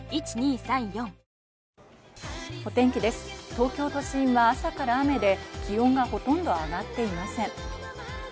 東京都心は朝から雨で気温がほとんど上がっていません。